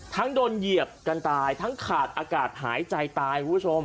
ทั้งโดนเหยียบกันตายทั้งขาดอากาศหายใจตาย